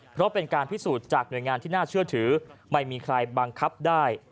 เพราะเป็นการพิสูจน์จากหน่วยงานที่น่าเชื่อถือไม่มีใครบังคับได้